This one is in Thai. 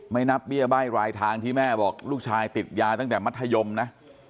นับเบี้ยใบ้รายทางที่แม่บอกลูกชายติดยาตั้งแต่มัธยมนะ